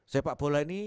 sepak bola ini